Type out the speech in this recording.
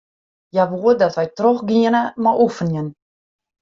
Hja woe dat wy trochgiene mei oefenjen.